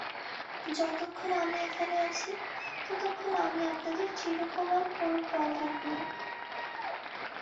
যতক্ষণ আমি এখানে আছি ততক্ষণ আমি আপনাদের চিরকুমার– কোনো প্রভেদ নেই।